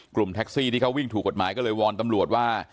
กลุ่มแท็กซี่ที่เขาวิ่งถูกกฎหมายก็เลยวอนตำรวจว่า